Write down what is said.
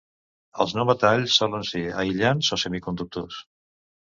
Els no-metalls solen ser aïllants o semiconductors.